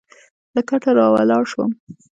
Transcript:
له کټه راولاړ شوم.